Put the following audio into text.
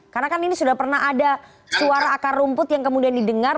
karena kan ini sudah pernah ada suara akar rumput yang kemudian didengar